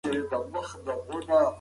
که پسونه وساتو نو وړۍ نه کمیږي.